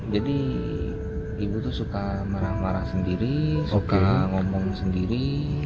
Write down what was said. jadi ibu tuh suka marah marah sendiri suka ngomong sendiri